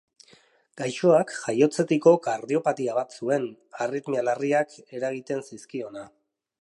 Gaixoak jaiotzetiko kardiopatia bat zuen, arritmia larriak eragiten zizkiona.